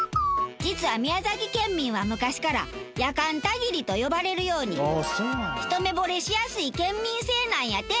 実は宮崎県民は昔から「やかんたぎり」と呼ばれるように一目惚れしやすい県民性なんやて。